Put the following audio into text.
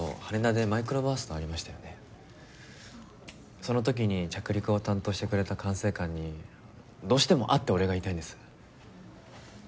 その時に着陸を担当してくれた管制官にどうしても会ってお礼が言いたいんです。